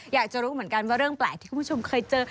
อยากจะรู้เหมือนกันว่าเรื่องแปลกที่คุณผู้ชมเคยเจอ